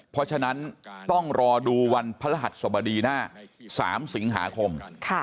เพราะฉะนั้นต้องรอดูวันพระรหัสสบดีหน้า๓สิงหาคม